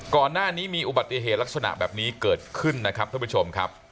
ก่อนหน้านี้มีอุบัติเหตุลักษณะแบบนี้เกิดขึ้นนะครับท่านผู้ชมครับ